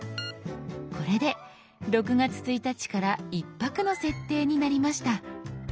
これで６月１日から１泊の設定になりました。